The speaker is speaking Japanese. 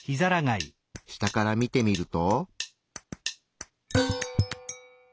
下から見てみると。